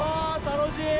楽しい！